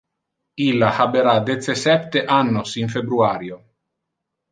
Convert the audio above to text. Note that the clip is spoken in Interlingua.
Illa habera dece-septe annos in februario.